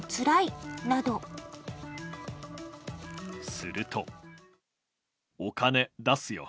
すると。